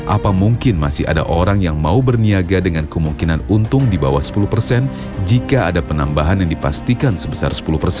apa mungkin masih ada orang yang mau berniaga dengan kemungkinan untung di bawah sepuluh persen jika ada penambahan yang dipastikan sebesar sepuluh persen